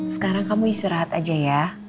sekarang kamu istirahat aja ya